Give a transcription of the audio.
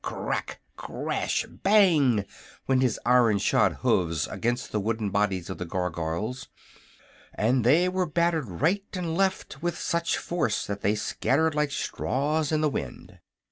Crack! crash! bang! went his iron shod hoofs against the wooden bodies of the Gargoyles, and they were battered right and left with such force that they scattered like straws in the wind.